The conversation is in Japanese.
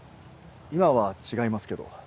今は違いますけど。